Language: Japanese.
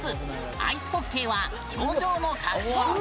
アイスホッケーは氷上の格闘技。